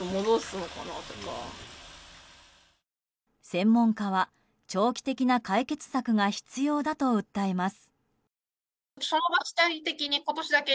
専門家は長期的な解決策が必要だと訴えます。